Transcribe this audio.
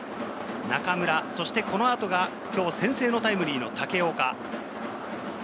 中村、そしてこの後が今日先制のタイムリーの武岡。